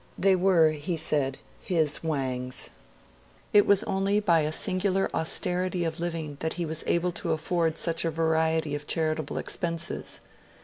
They were, he said, his Wangs. It was only by a singular austerity of living that he was able to afford such a variety of charitable expenses.